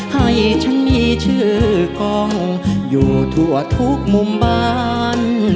ให้ฉันมีชื่อกล้องอยู่ทั่วทุกมุมบ้าน